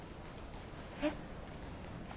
えっ。